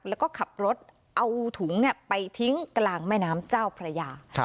แล้วก็ขับรถเอาถุงไปทิ้งกลางแม่น้ำเจ้าพระยา